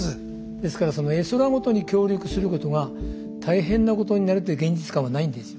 ですからその絵空事に協力することが大変なことになるという現実感はないんですよ。